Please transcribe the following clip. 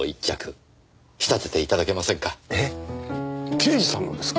刑事さんのですか？